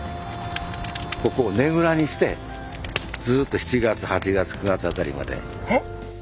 ここをねぐらにしてずっと７月８月９月辺りまで。